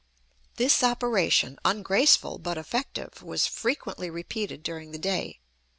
This operation, ungraceful but effective, was frequently repeated during the day.